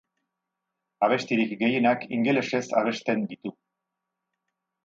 Abestirik gehienak ingelesez abesten ditu.